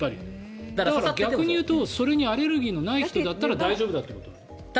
逆に言うとそれにアレルギーのない人だったら大丈夫ということ？